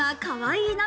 かわいい！